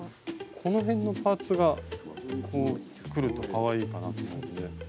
この辺のパーツがこうくるとかわいいかなと思うんで。